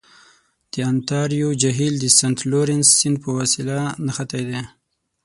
د انتاریو جهیل د سنت لورنس سیند په وسیله نښتی دی.